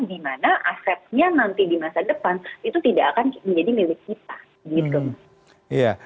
di mana asetnya nanti di masa depan itu tidak akan menjadi milik kita